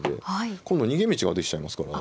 今度逃げ道ができちゃいますから。